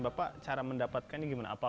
bapak cara mendapatkan ini gimana